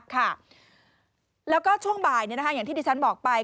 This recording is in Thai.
ค่ะแล้วก็ช่วงบ่ายอย่างที่ดิฉันบอกไป